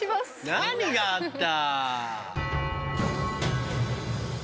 何があった？